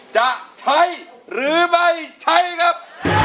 จะใช้หรือไม่ใช้ครับ